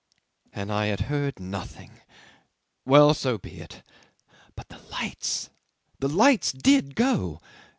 '"And I had heard nothing! Well so be it. But the lights! The lights did go!